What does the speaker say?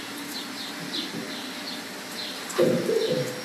Je na něm, aby hledal cestu k řešení.